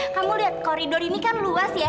kamu lihat koridor ini kan luas ya